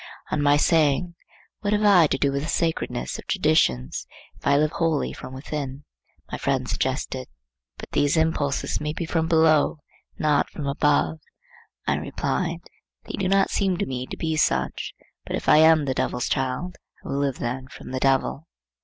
On my saying, "What have I to do with the sacredness of traditions, if I live wholly from within?" my friend suggested,—"But these impulses may be from below, not from above." I replied, "They do not seem to me to be such; but if I am the Devil's child, I will live then from the Devil."